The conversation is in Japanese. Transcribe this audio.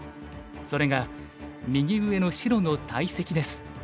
それが右上の白の大石です。